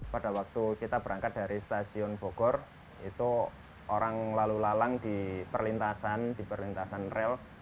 pada waktu kita berangkat dari stasiun bogor itu orang lalu lalang di perlintasan di perlintasan rel